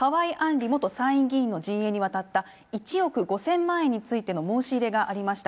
里元参院議員の陣営に渡った１億５０００万円についての申し入れがありました。